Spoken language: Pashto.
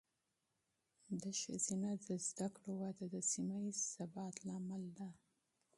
د ښځینه تعلیم وده د سیمه ایز ثبات لامل ده.